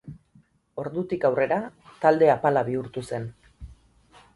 Ordutik aurrera talde apala bihurtu zen.